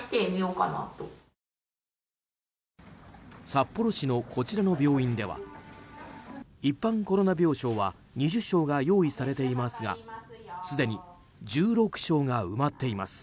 札幌市のこちらの病院では一般コロナ病床は２０床用意されていますがすでに１６床が埋まっています。